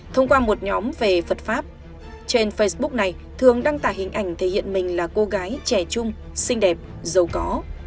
thông qua một nhóm về phật pháp trên facebook này thường đăng tải hình ảnh thể hiện mình là cô gái trẻ chung xinh đẹp giàu có